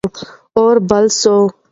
اور بل سو.